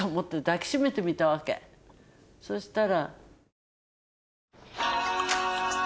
そしたら。